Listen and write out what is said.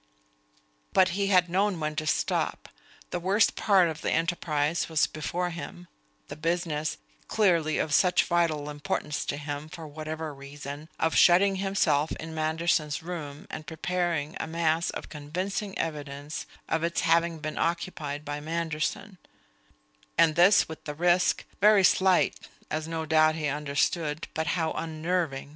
But he had known when to stop. The worst part of the enterprise was before him, the business clearly of such vital importance to him, for whatever reason of shutting himself in Manderson's room and preparing a mass of convincing evidence of its having been occupied by Manderson; and this with the risk very slight, as no doubt he understood, but how unnerving!